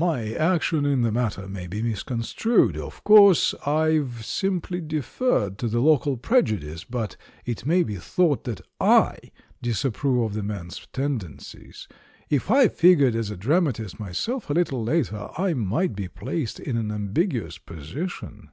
"My action in the matter may be misconstrued. Of course, I've simply deferred to the local preju dice, but it may be thought that / disapprove of the man's tendencies. If I figured as a dramatist myself a little later, I might be placed in an am biguous position.